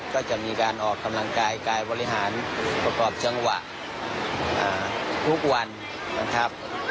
ก็จะมีการออกกำลังกายการบริหารประกอบจังหวะทุกวันนะครับ